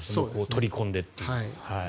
取り込んでという。